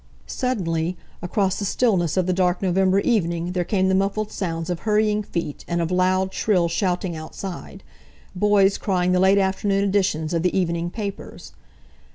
Suddenly, across the stillness of the dark November evening there came the muffled sounds of hurrying feet and of loud, shrill shouting outside—boys crying the late afternoon editions of the evening papers.